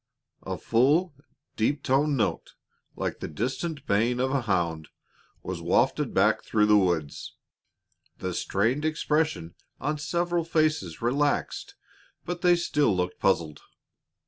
_ A full, deep toned note, like the distant baying of a hound, was wafted back through the woods. The strained expression on several faces relaxed, but they still looked puzzled.